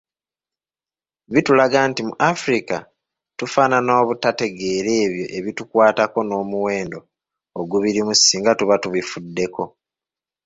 Bitulaga nti mu Africa tufaanana obutategeera ebyo ebitukwatako n’omuwendo ogubirimu singa tuba tubifuddeko.